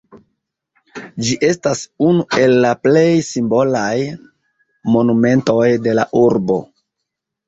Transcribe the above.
Ĝi estas unu el la plej simbolaj monumentoj de la urbo.